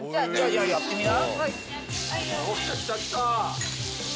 やってみな。